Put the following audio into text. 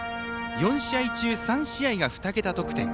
４試合中３試合が２桁得点。